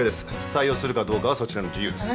採用するかどうかはそちらの自由です。